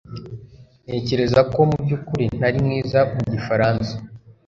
Ntekereza ko mubyukuri ntari mwiza mu gifaransa